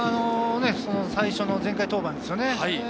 最初の前回登板ですね。